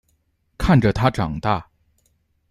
看着他长大